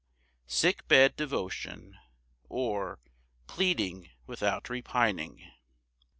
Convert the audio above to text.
Sick bed devotion; or, Pleading without repining.